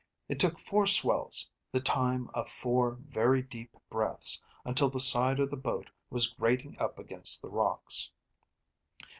It took four swells, the time of four very deep breaths, until the side of the boat was grating up against the rocks.